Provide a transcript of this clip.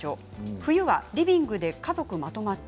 冬はリビングで家族まとまって